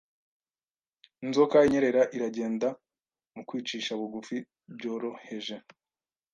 inzoka inyerera iragenda Mu kwicisha bugufi byoroheje;